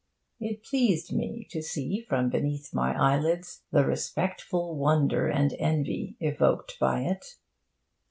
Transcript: It pleased me to see from beneath my eyelids the respectful wonder and envy evoked by it.